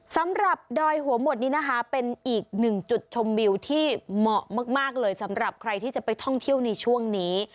ดอยหัวหมดนี้นะคะเป็นอีกหนึ่งจุดชมวิวที่เหมาะมากเลยสำหรับใครที่จะไปท่องเที่ยวในช่วงนี้